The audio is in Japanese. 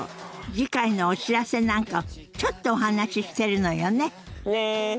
次回のお知らせなんかをちょっとお話ししてるのよね。ね。